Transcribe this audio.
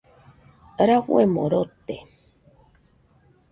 Rafuemo rote.